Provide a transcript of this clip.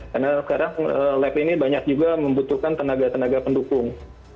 karena sekarang lab ini banyak juga membutuhkan tenaga tenaga pendukung